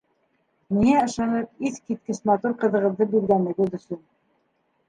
Миңә ышанып иҫ киткес матур ҡыҙығыҙҙы биргәнегеҙ өсөн.